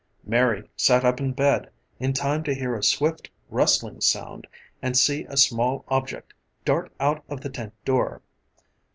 Mary sat up in bed, in time to hear a swift, rustling sound and see a small object dart out of the tent door.